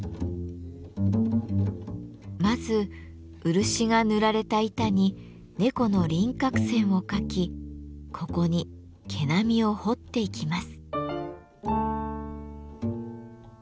まず漆が塗られた板に猫の輪郭線を描きここに毛並みを彫っていきます。